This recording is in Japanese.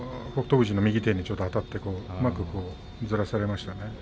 富士の右手にちょっとあたってうまくずらされましたね。